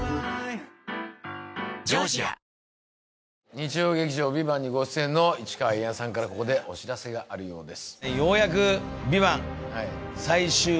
日曜劇場「ＶＩＶＡＮＴ」にご出演の市川猿弥さんからここでお知らせがあるようです